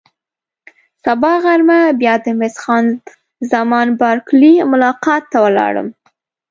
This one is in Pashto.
سبا غرمه بیا د مس خان زمان بارکلي ملاقات ته ولاړم.